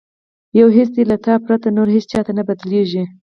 یو حس دی له تا پرته، نور هیڅ چاته نه بدلیږي